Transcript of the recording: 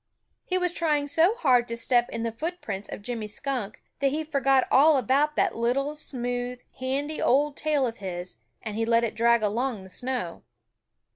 He was trying so hard to step in the footprints of Jimmy Skunk, that he forgot all about that little, smooth, handy old tail of his, and he let it drag along the snow.